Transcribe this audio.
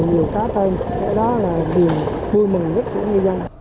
đó là điều vui mừng nhất của ngư dân